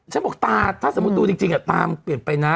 ฉันบอกตาถ้าสมมุติดูจริงตามันเปลี่ยนไปนะ